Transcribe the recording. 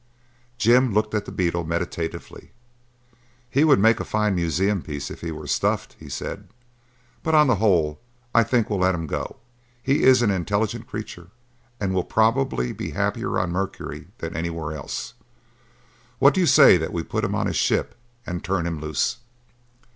Jim looked at the beetle meditatively. "He would make a fine museum piece if he were stuffed," he said, "but on the whole, I think we'll let him go. He is an intelligent creature and will probably be happier on Mercury than anywhere else. What do you say that we put him on his ship and turn him loose?"